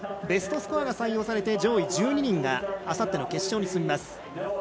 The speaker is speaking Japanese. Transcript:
ベストスコアが採用されて上位１２人があさっての決勝に進みます。